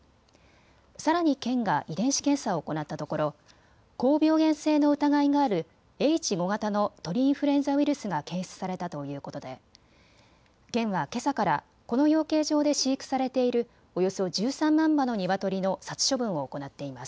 さらに県が遺伝子検査を行ったところ、高病原性の疑いがあるＨ５型の鳥インフルエンザウイルスが検出されたということで県はけさからこの養鶏場で飼育されているおよそ１３万羽のニワトリの殺処分を行っています。